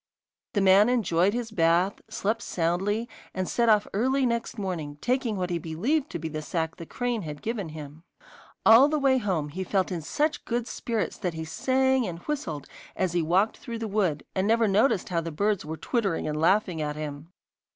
The man enjoyed his bath, slept soundly, and set off early next morning, taking what he believed to be the sack the crane had given him. All the way home he felt in such good spirits that he sang and whistled as he walked through the wood, and never noticed how the birds were twittering and laughing at him.